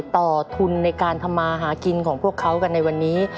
ต่อทุนในการทำมาหากินของพวกเขากันในวันนี้